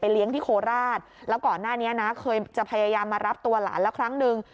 เลี้ยงที่โคราชแล้วก่อนหน้านี้นะเคยจะพยายามมารับตัวหลานแล้วครั้งหนึ่ง